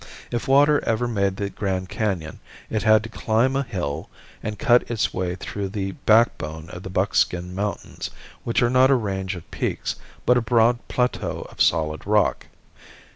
If water ever made the Grand Canon it had to climb a hill and cut its way through the backbone of the Buckskin mountains, which are not a range of peaks but a broad plateau of solid rock.